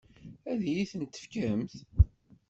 Ad iyi-t-tefkemt?